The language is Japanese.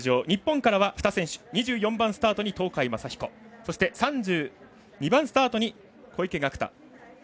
日本からは２選手、２４番スタートに東海将彦そして３２番スタートに小池岳太。